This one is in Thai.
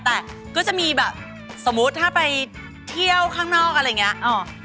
แต่ก็จะมีแบบสมมุติถ้าไปเที่ยวข้างนอกอะไรอย่างนี้